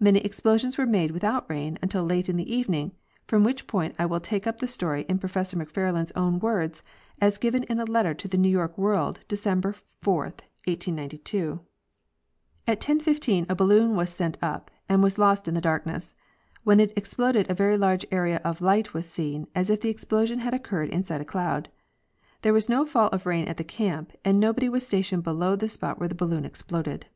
Many explosions were made without rain until late in the evening, from which point I will take up the story in Professor Macfarlane's own words, as given in a letter to the New York World December 4, 1892: At 10.15 a bailoon was sent up and was lost in the darkness; when it exploded a very large area of light was seen, as if the explosion had oc curred inside a cloud. There was no fall of rain at the camp, and nobody was stationed below the spot where the balloon exploded.